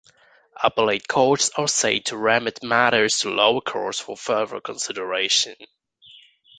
Appellate courts are said to remit matters to lower courts for further consideration.